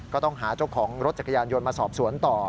ก็ต้องหาเจ้าของรถจักรยานยนต์มาสอบสวนต่อ